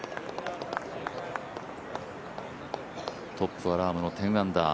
トップはラームの１０アンダー。